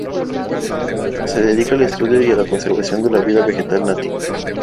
Se dedica al estudio y a la conservación de la vida vegetal nativa.